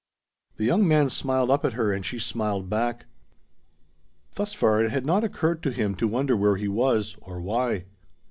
The young man smiled up at her, and she smiled back. Thus far it had not occurred to him to wonder where he was, or why.